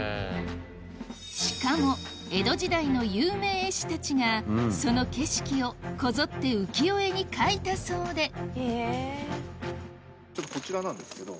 しかも江戸時代の有名絵師たちがその景色をこぞって浮世絵に描いたそうでこちらなんですけど。